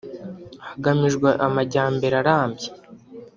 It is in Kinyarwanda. hagamijwe amajyambere arambye